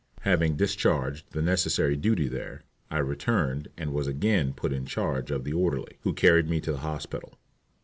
Having discharged the necessary duty there, I returned and was again put in charge of the orderly, who carried me to the hospital.